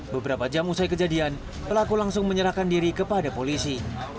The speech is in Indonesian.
beberapa jam usai kejadian pelaku langsung menyerahkan diri kepada polisi